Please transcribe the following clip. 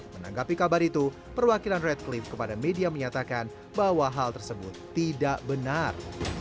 menanggapi kabar itu perwakilan red clift kepada media menyatakan bahwa hal tersebut tidak benar